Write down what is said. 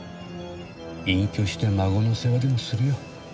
隠居して孫の世話でもするよ。